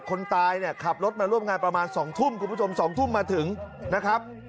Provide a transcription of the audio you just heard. คนตายเนี่ยขับรถมาร่วมงานประมาณ๒ทุ่มคุณผู้ชม๒ทุ่มมาถึงนะครับ